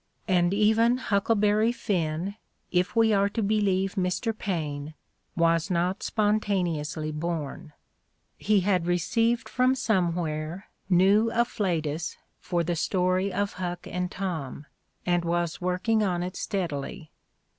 And even "Huckleberry Finn," if we are to believe Mr. Paine, was not spontaneously born: "He had received from somewhere new afflatus for the story of Huck and Tom, and was working on it steadily."